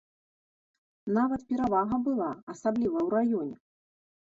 Нават перавага была, асабліва ў раёне.